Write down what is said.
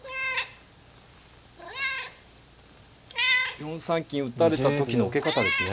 ４三金打たれた時の受け方ですね。